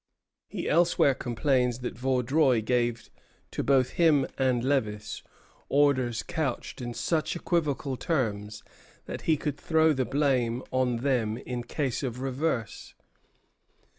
He elsewhere complains that Vaudreuil gave to both him and Lévis orders couched in such equivocal terms that he could throw the blame on them in case of reverse.